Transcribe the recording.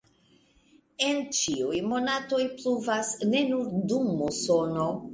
En ĉiuj monatoj pluvas, ne nur dum musono.